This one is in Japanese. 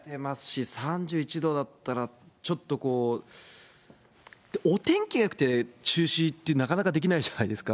３１度だったらちょっとこう、お天気がよくて、中止って、なかなかできないじゃないですか。